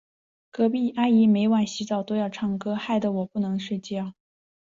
隔壁阿姨每晚洗澡都要唱歌，害得我不能睡觉。